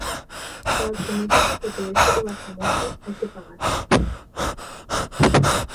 Para obtener una foto de este lugar famoso, hay que pagar.